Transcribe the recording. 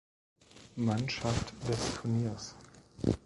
Mannschaft des Turniers